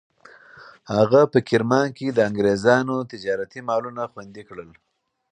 هغه په کرمان کې د انګریزانو تجارتي مالونه خوندي کړل.